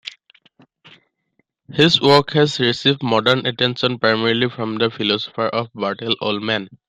His work has received modern attention primarily from the philosopher Bertell Ollman.